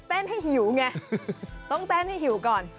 ให้หิวไงต้องเต้นให้หิวก่อน